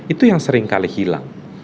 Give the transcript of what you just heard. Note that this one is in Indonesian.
itu yang seringkali hilang